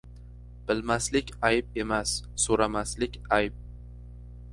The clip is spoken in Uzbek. • Bilmaslik ayb emas, so‘ramaslik ayb.